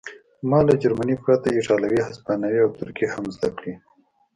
ما له جرمني پرته ایټالوي هسپانوي او ترکي هم زده کړې